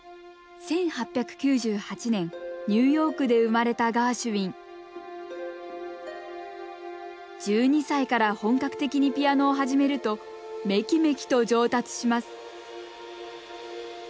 １８９８年ニューヨークで生まれたガーシュウィン１２歳から本格的にピアノを始めるとめきめきと上達します